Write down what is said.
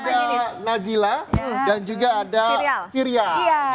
ada nazila dan juga ada firya